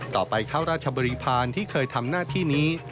ข้าราชบริพาณที่เคยทำหน้าที่นี้